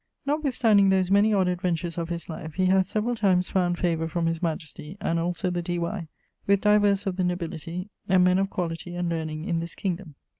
Notwithstanding those many odd adventures of his life, he hath severall times found favour from his majestie and also the D. Y., with divers of the nobilitye, and men of quality and learning in this kingdom.